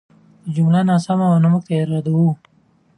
که جمله ناسمه وه، نو موږ یې ردوو.